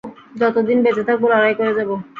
যতদিন বেঁচে থাকব, লড়াই করে যাবো।